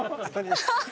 ハハハハ！